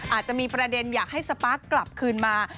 อาจจะมีประเด็นอยากให้สปาร์คกลับคืนมา